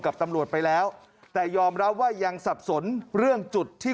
กับตำรวจไปแล้วแต่ยอมรับว่ายังสับสนเรื่องจุดที่